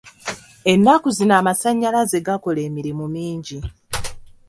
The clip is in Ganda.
Ennaku zino amasannyalaze gakola emirimu mingi.